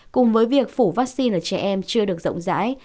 cùng với việc phủ vaccine ở trẻ em chưa được rộng rãi